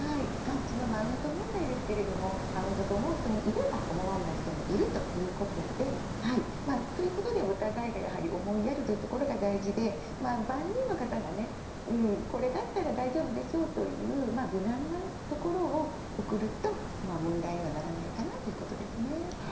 マウント問題ですけどもマウントと思う人もいれば思わない人もいるということでということで、お互いが思いやるというところが大事で万人の方が、これだったら大丈夫でしょうという無難なところを送ると問題にはならないかなということですね。